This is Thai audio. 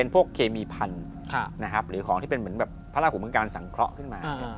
พวกเคมีพันธุ์หรือของที่เป็นเหมือนแบบพระราหูเมืองการสังเคราะห์ขึ้นมา